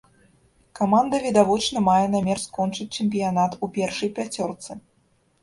Каманда відавочна мае намер скончыць чэмпіянат у першай пяцёрцы.